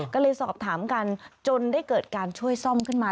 ก็เลยสอบถามกันจนได้เกิดการช่วยซ่อมขึ้นมา